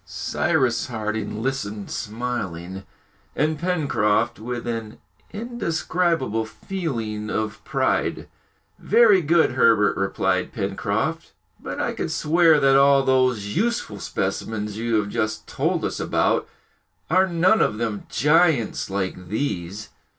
Cyrus Harding listened smiling, and Pencroft with an indescribable feeling of pride. "Very good, Herbert," replied Pencroft, "but I could swear that all those useful specimens you have just told us about are none of them giants like these!"